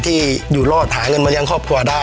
ที่อยู่รอดหาเงินมาเลี้ยงครอบครัวได้